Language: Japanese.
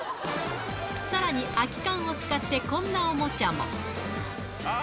さらに空き缶を使って、こんなおもちゃも。